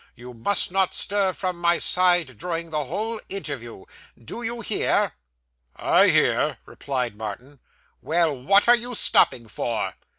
You must not stir from my side during the whole interview. Do you hear?' 'I hear,' replied Martin. 'Well; what are you stopping for?